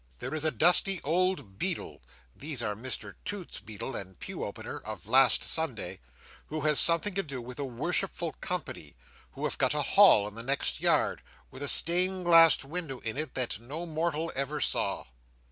There is a dusty old beadle (these are Mr Toots's beadle and pew opener of last Sunday), who has something to do with a Worshipful Company who have got a Hall in the next yard, with a stained glass window in it that no mortal ever saw.